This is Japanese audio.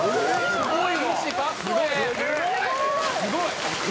すごい！